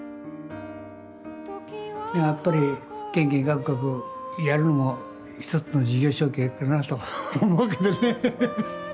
やっぱりけんけんがくがくやるのも一つの事業承継かなと思うけどね。